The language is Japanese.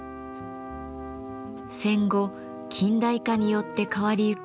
戦後近代化によって変わりゆく奈良。